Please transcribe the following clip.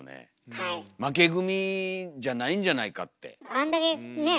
あんだけねえ？